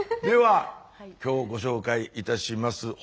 では今日ご紹介いたします